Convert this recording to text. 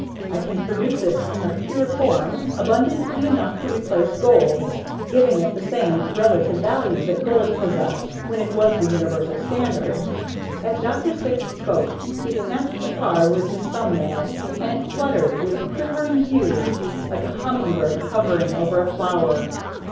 I can produce it, in the pure form, abundantly enough to replace gold, giving it the same relative value that gold possessed when it was the universal standard." As Dr. Syx spoke he snapped the card with his thumb nail and it fluttered with quivering hues like a humming bird hovering over a flower.